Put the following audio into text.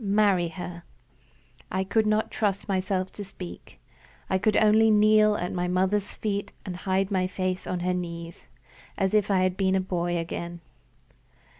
Marry her." I could not trust myself to speak. I could only kneel at my mother's feet, and hide my face on her knees, as if I had been a boy again.